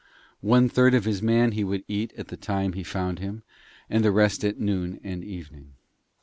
One third of his man he would eat at the time he found him, and the rest at noon and evening.